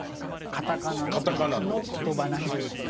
カタカナのコトバなんじゃないか。